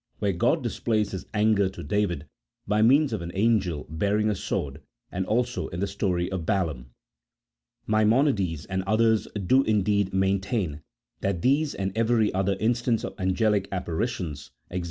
where God displays his anger to David by means of an angel bearing a sword, and also in the story of Balaam. Maimonides and others do indeed maintain that these and every other instance of angelic apparitions (e, g.